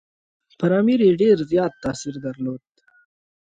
پر امیر یې ډېر زیات تاثیر درلود.